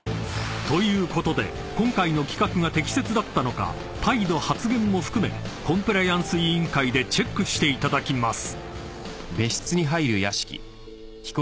［ということで今回の企画が適切だったのか態度発言も含めコンプライアンス委員会でチェックしていただきます］